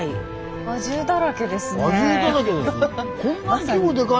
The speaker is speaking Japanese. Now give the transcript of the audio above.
輪中だらけですね。